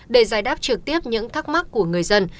để giải đáp trực tiếp những thắc mắc của người dân